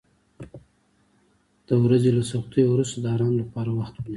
د ورځې له سختیو وروسته د آرام لپاره وخت ونیسه.